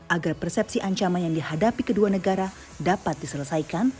agar persepsi ancaman yang dihadapi kedua negara dapat diselesaikan